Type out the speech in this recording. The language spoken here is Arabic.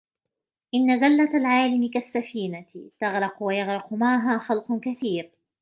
إنَّ زَلَّةَ الْعَالِمِ كَالسَّفِينَةِ تَغْرَقُ وَيَغْرَقُ مَعَهَا خَلْقٌ كَثِيرٌ